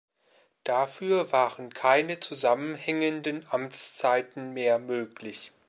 Dafür waren keine zusammenhängenden Amtszeiten mehr möglich.